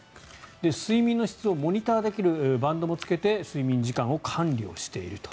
睡眠の質をモニターできるバンドもつけて睡眠時間を管理していると。